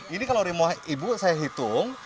ini kalau rumah ibu saya hitung